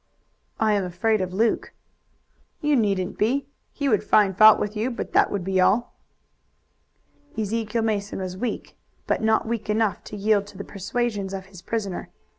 "I am afraid of Luke." "You needn't be. He would find fault with you, but that would be all." Ezekiel Mason was weak, but not weak enough to yield to the persuasions of his prisoner.